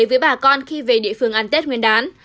với bà con khi về địa phương ăn tết nguyên đán